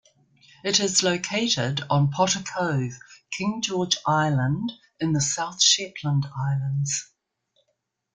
It is located on Potter Cove, King George Island, in the South Shetland Islands.